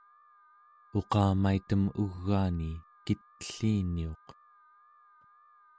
uqamaitem ugaani kit'elliniuq